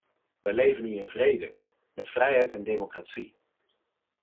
We leven nu in vrede, met vrijheid en democratie.